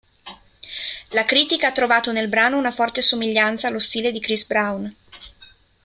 La critica ha trovato nel brano una forte somiglianza allo stile di Chris Brown.